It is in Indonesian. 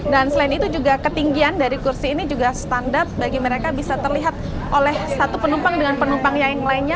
dan selain itu juga ketinggian dari kursi ini juga standar bagi mereka bisa terlihat oleh satu penumpang dengan penumpang yang lainnya